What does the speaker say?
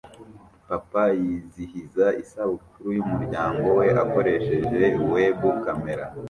Papa yizihiza isabukuru yumuryango we akoresheje web kamera